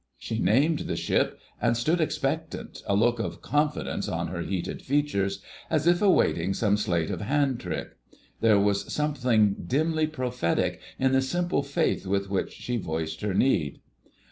She named the ship, and stood expectant, a look of confidence on her heated features, as if awaiting some sleight of hand trick. There was something dimly prophetic in the simple faith with which she voiced her need.